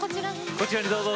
こちらにどうぞ。